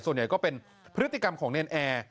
ส่วนใหญ่ก็เป็นพฤติกรรมของเนรนแอร์